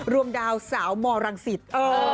รวมดาวสาวมรังศิษย์